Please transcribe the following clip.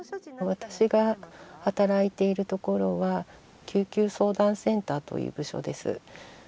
私が働いている所は救急相談センターという部署です。